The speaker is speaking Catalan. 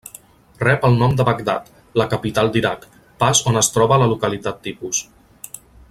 Rep el nom de Bagdad, la capital d'Iraq, pas on es troba la localitat tipus.